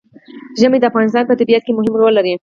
ژمی د افغانستان په طبیعت کې مهم رول لري.